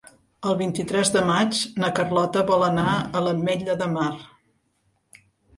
El vint-i-tres de maig na Carlota vol anar a l'Ametlla de Mar.